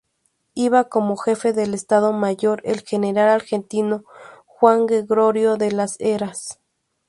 Iba como jefe del estado mayor, el general argentino Juan Gregorio de Las Heras.